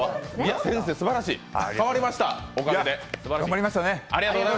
先生、すばらしい、変わりました、おかげで。